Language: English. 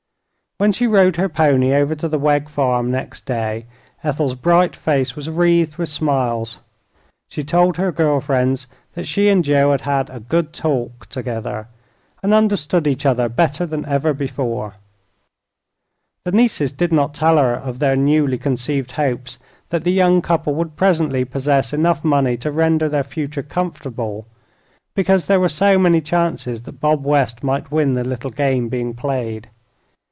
When she rode her pony over to the Wegg farm next day Ethel's bright face was wreathed with smiles. She told her girl friends that she and Joe had had a "good talk" together, and understood each other better than ever before. The nieces did not tell her of their newly conceived hopes that the young couple would presently possess enough money to render their future comfortable, because there were so many chances that Bob West might win the little game being played.